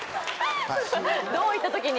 どういった時に？